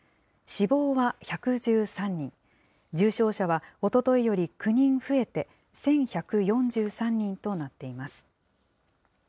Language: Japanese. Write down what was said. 死亡は１１３人、重症者はおとといより９人増えて１１４３人となっています。